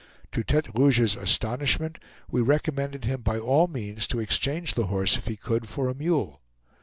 To Tete Rouge's astonishment we recommended him by all means to exchange the horse, if he could, for a mule.